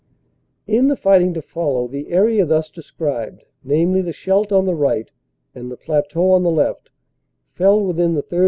In the fighting to follow the area thus described, namely the Scheldt on the right and the plateau on the left, fell within the 3rd.